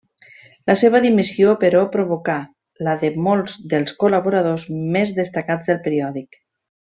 La seva dimissió, però, provocà la de molts dels col·laboradors més destacats del periòdic.